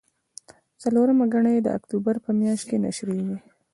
څلورمه ګڼه یې د اکتوبر په میاشت کې نشریږي.